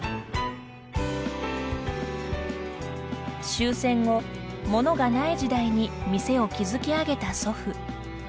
終戦後、物がない時代に店を築きあげた祖父。